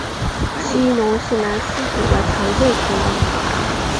奇异龙是兰斯组的常见恐龙。